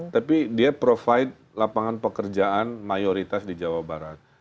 tapi dia provide lapangan pekerjaan mayoritas di jawa barat